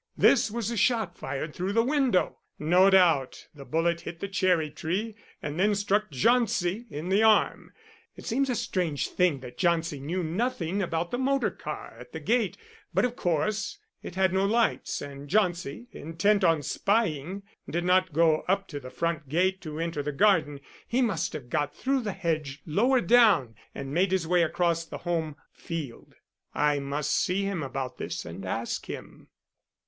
This was the shot fired through the window. No doubt the bullet hit the cherry tree, and then struck Jauncey in the arm. It seems a strange thing that Jauncey knew nothing about the motor car at the gate. But of course it had no lights, and Jauncey, intent on spying, did not go up to the front gate to enter the garden. He must have got through the hedge lower down, and made his way across the home field. I must see him about this and ask him.